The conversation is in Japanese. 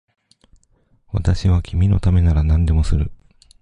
私は君のためなら何でもする